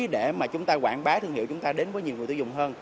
để mà chúng ta quảng bá thương hiệu chúng ta đến với nhiều người tiêu dùng hơn